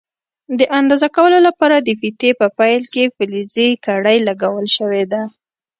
د اندازه کولو لپاره د فیتې په پیل کې فلزي کړۍ لګول شوې ده.